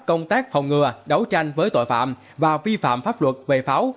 công tác phòng ngừa đấu tranh với tội phạm và vi phạm pháp luật về pháo